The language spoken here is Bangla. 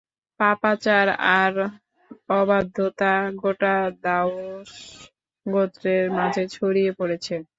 পাপাচার আর অবাধ্যতা গোটা দাউস গোত্রের মাঝে ছড়িয়ে পড়েছে।